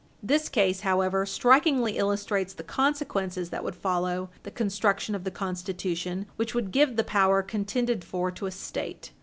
This case, however, strikingly illustrates the consequences that would follow the construction of the Constitution which would give the power contended for to a State.